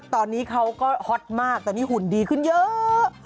ตอนนี้เขาก็ฮอตมากตอนนี้หุ่นดีขึ้นเยอะ